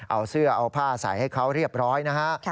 เอาเสื้อเอาผ้าใส่ให้เขาเรียบร้อยนะฮะ